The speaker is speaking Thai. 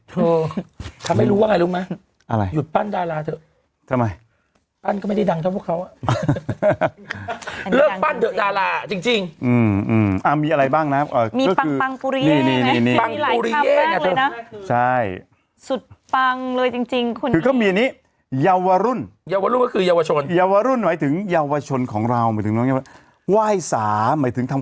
โถถ้าไม่รู้ว่าไงรู้ไหม